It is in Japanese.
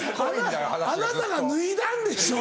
あなあなたが脱いだんでしょ？